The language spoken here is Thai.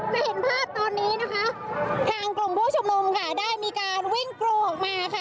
จะเห็นภาพตอนนี้นะคะทางกลุ่มผู้ชุมนุมค่ะได้มีการวิ่งกรูออกมาค่ะ